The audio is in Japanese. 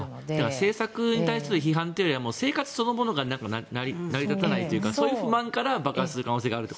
政策に対する批判というより生活そのものが成り立たないというかそういう不満から爆発する可能性があると。